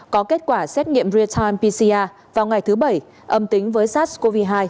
có kết quả xét nghiệm real time pcr vào ngày thứ bảy âm tính với sars cov hai